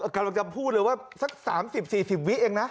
กำลังจะพูดเลยว่าสัก๓๐๔๐วิเองนะ